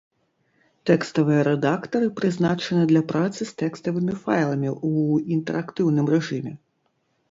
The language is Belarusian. Тэкставыя рэдактары прызначаны для працы з тэкставымі файламі ў інтэрактыўным рэжыме.